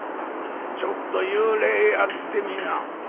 ちょっと幽霊やってみな」。